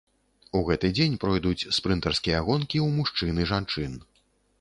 У гэты дзень пройдуць спрынтарскія гонкі ў мужчын і жанчын.